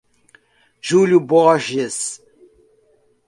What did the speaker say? Júlio Borges